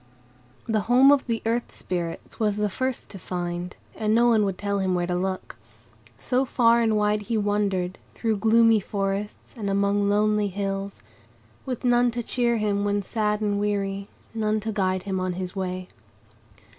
The home of the Earth Spirits was the first to find, and no one would tell him where to look. So far and wide he wandered, through gloomy forests and among lonely hills, with none to cheer him when sad and weary, none to guide him on his way.